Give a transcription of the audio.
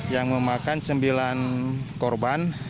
yang memakan sembilan korban